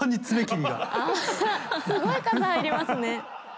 すごい数入りますね。